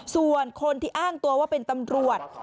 ส่วนคนที่อ้างตัวว่าเป็นตำรวจ